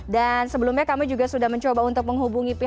dan sebelumnya kami juga sudah mencoba untuk menghubungi pihak pihak